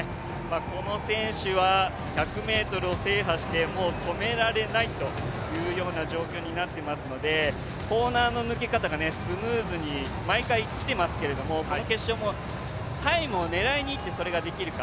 この選手は、１００ｍを制覇して止められないという状況になっていますのでコーナーの抜け方がスムーズに毎回来ていますけれども、この決勝もタイムを狙いにいってそれができるか。